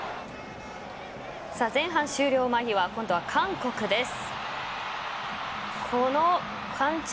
前半終了間際、今度は韓国です。